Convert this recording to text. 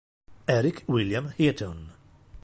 Eric William Heaton.